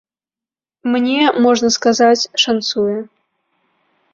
Мне, можна сказаць, шанцуе.